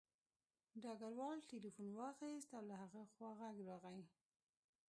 ډګروال تیلیفون واخیست او له هغه خوا غږ راغی